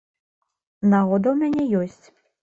Нагода ў мяне ёсць.